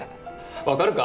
分かるか？